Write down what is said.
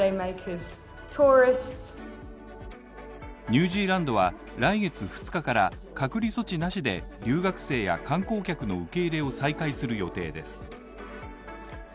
ニュージーランドは来月２日から隔離措置なしで、留学生や観光客の受け入れを再開する予定です。